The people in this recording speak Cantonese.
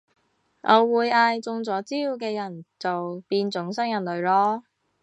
我會嗌中咗招嘅人做變種新人類囉